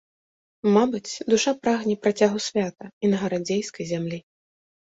Мабыць, душа прагне працягу свята і на гарадзейскай зямлі.